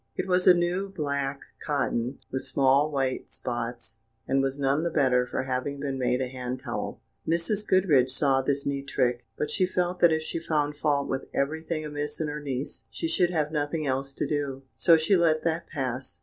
It was a new black cotton, with small white spots, and was none the better for having been made a hand towel. Mrs. Goodriche saw this neat trick, but she felt that if she found fault with everything amiss in her niece, she should have nothing else to do; so she let that pass.